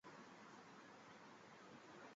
罗马统治时期塞浦路斯经济十分繁荣。